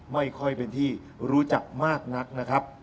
ไม่ค่อยเป็นที่รู้จักมากนักนะครับ